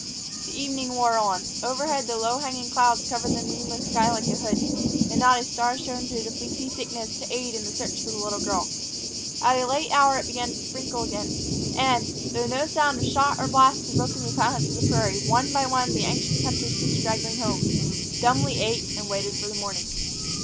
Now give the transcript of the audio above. The evening wore on. Overhead the low hanging clouds covered the moonless sky like a hood, and not a star shone through the fleecy thickness to aid in the search for the little girl. At a late hour it began to sprinkle again, and, though no sound of shot or blast had broken the silence of the prairie, one by one the anxious hunters came straggling home, dumbly ate, and waited for the morning.